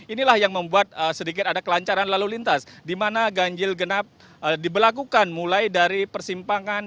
inilah yang membuat sedikit ada kelancaran lalu lintas di mana ganjil genap diberlakukan mulai dari persimpangan